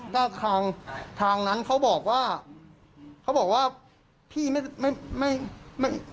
และวันนั้นท่านท่านจะทำไหนแหละ